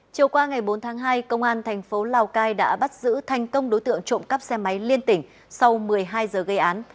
chiều qua ngày bốn tháng hai công an thành phố lào cai đã bắt giữ thành công đối tượng trộm cắp xe máy liên tỉnh sau một mươi hai giờ gây án